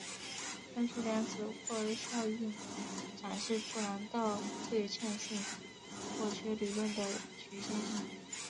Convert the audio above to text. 分数量子霍尔效应展示出朗道对称性破缺理论的局限性。